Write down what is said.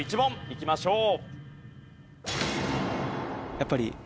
いきましょう。